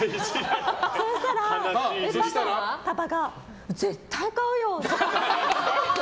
そしたら、パパが絶対買うよって。